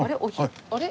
あれ？